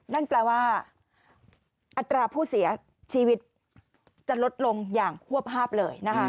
นั่นแปลว่าอัตราผู้เสียชีวิตจะลดลงอย่างควบภาพเลยนะคะ